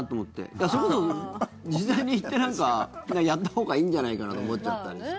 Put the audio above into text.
だから、それこそ実際に行ってなんかやったほうがいいんじゃないかなって思っちゃったりして。